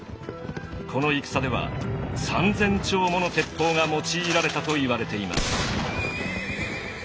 この戦では３，０００丁もの鉄砲が用いられたといわれています。